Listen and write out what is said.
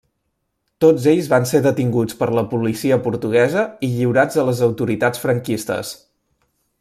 Tots ells van ser detinguts per la policia portuguesa i lliurats a les autoritats franquistes.